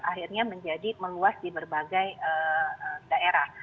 akhirnya menjadi meluas di berbagai daerah